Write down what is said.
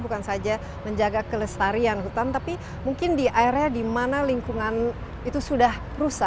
bukan saja menjaga kelestarian hutan tapi mungkin di area di mana lingkungan itu sudah memiliki rata rata tahan